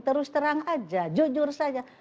terus terang aja jujur saja